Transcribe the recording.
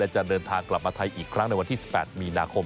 จะเดินทางกลับมาไทยอีกครั้งในวันที่๑๘มีนาคม